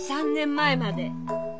３年前まで。